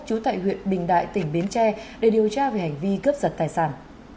chú tại huyện bình đại tỉnh biến tre để điều tra về hành vi cướp giật tài sản